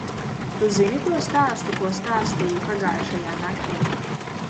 Tu zini to stāstu, ko stāstīji pagājušajā naktī?